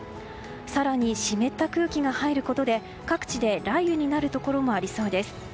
更に湿った空気が入ることで各地で雷雨になるところもありそうです。